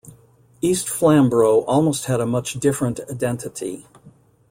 East Flamborough almost had a much different identity.